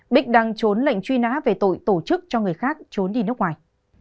bích đang trốn lệnh truy nã về tội tổ chức cho người khác trốn đi nước ngoài